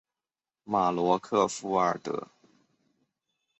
马罗克弗尔德。